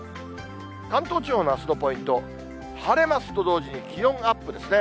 関東地方のあすのポイント、晴れますと同時に、気温がアップですね。